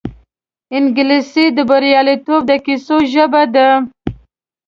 انګلیسي د بریالیتوب د کیسو ژبه ده